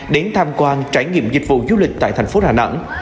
đến tham quan trải nghiệm dịch vụ du lịch tại thành phố đà nẵng